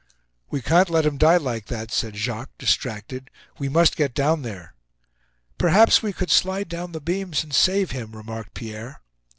"We can't let him die like that," said Jacques, distracted. "We must get down there." "Perhaps we could slide down the beams and save him," remarked Pierre.